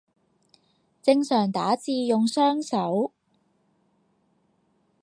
正常打字用雙手